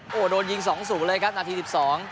โอ้โหโดนยิง๒สูงเลยครับนาที๑๒